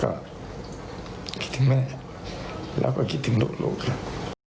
ก็ตอนนั้นก็คิดถึงแม่แล้วก็คิดถึงแม่แล้วก็คิดถึงลูกครับ